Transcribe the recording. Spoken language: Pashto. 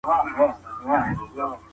ژوند بې له ایمانه هیڅ مانا نه لري.